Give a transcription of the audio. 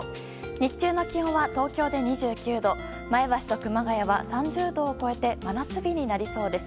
日中の気温は、東京で２９度前橋と熊谷は３０度を超えて真夏日になりそうです。